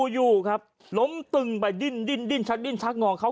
อยู่ครับล้มตึงไปดิ้นชักดิ้นชักงอเขา